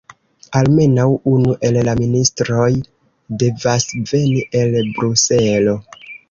Almenaŭ unu el la ministroj devas veni el Bruselo.